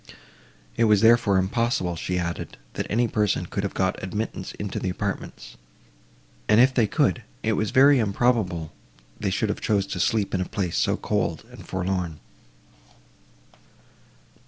It was, therefore, impossible, she added, that any person could have got admittance into the apartments; and, if they could—it was very improbable they should have chosen to sleep in a place so cold and forlorn.